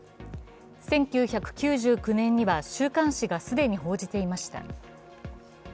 １９９９年には週刊誌が既に報じていました。